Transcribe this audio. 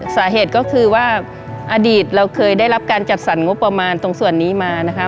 สาเหตุก็คือว่าอดีตเราเคยได้รับการจัดสรรงบประมาณตรงส่วนนี้มานะคะ